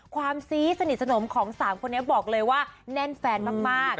ซี้สนิทสนมของ๓คนนี้บอกเลยว่าแน่นแฟนมาก